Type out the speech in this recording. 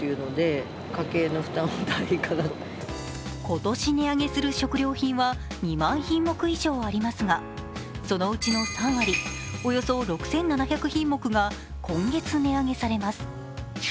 今年値上げする食料品は２万品目以上ありますが、そのうちの３割、およそ６７００品目が今月値上げされます。